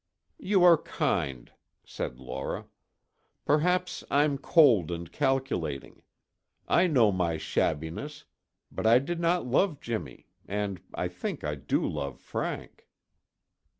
"You are kind," said Laura. "Perhaps I'm cold and calculating. I know my shabbiness, but I did not love Jimmy and I think I do love Frank."